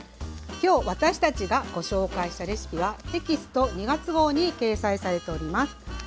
きょう私たちがご紹介したレシピはテキスト２月号に掲載されております。